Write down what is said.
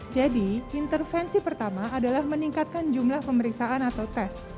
jadi intervensi pertama adalah meningkatkan jumlah pemeriksaan atau tes